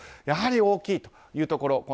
やはり大きいというところ。